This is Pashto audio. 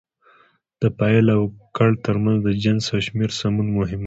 د فاعل او کړ ترمنځ د جنس او شمېر سمون مهم دی.